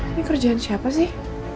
ini kerjaan siapa sih